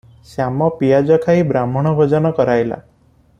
ଶ୍ୟାମ ପିଆଜ ଖାଇ ବାହ୍ମଣ ଭୋଜନ କରାଇଲା